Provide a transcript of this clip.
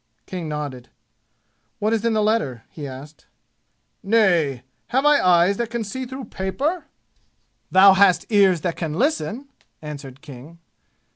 King nodded. "What is in the letter?" he asked. "Nay! Have I eyes that can see through paper?" "Thou hast ears that can listen!" answered King.